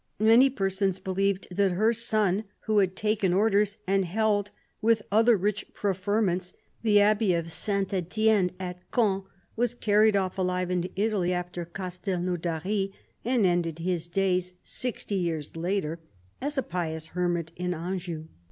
Many persons believed that her son, who had taken orders and held, with other rich preferments, the Abbey of St. Etienne at Caen, was carried off aHve into Italy after Castelnaudary, and ended his days, sixty years later, as a pious hermit in Anjou.